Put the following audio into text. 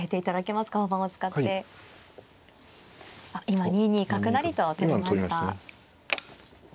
今２二角成と取りました。